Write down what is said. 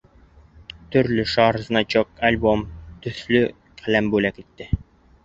Төрлө шар, значок, альбом, төҫлө ҡәләм бүләк итте.